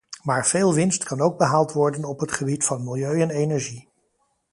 Maar veel winst kan ook behaald worden op het gebied van milieu en energie.